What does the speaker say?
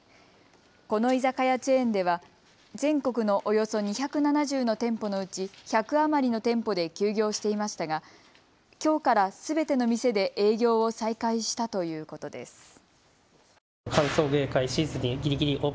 この居酒屋チェーンでは全国のおよそ２７０の店舗のうち、１００余りの店舗で休業していましたが、きょうからすべての店で営業を再開したということです。